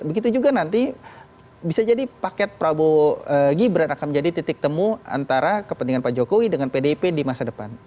begitu juga nanti bisa jadi paket prabowo gibran akan menjadi titik temu antara kepentingan pak jokowi dengan pdip di masa depan